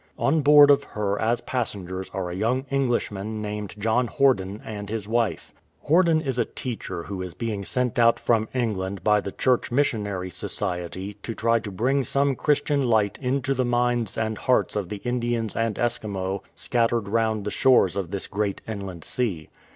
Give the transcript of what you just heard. On board of her as passengers are a young Englishman named John Horden and his wife. Horden is a teacher who is being sent out from England by the Church Missionary Society to try to bring some Christian light into the minds and 187 JOHN HOTIDEN hearts of the Indians and Eskimo scattered round the shores of this great inland sea.